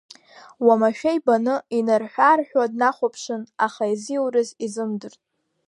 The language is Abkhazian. Уамашәа ибаны, инарҳәы-аарҳәуа днахәаԥшын, аха иазиурыз изымдырт.